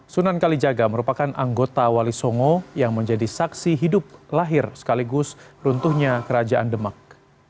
sunan kalijaga merupakan anggota wali songo yang menjadi saksi hidup lahir sekaligus runtuhnya kerajaan demak